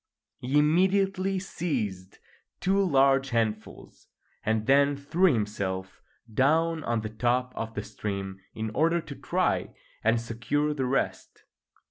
He immediately seized two large handfuls, and then threw himself down on the top of the stream in order to try and secure the rest.